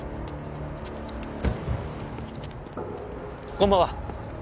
こんばんは。